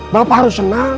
bapak harus senang